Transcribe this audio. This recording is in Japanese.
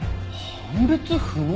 判別不能？